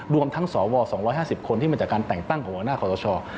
รวมทั้งสว๒๕๐คนที่มาจากการแต่งตั้งของหัวหน้าขอสช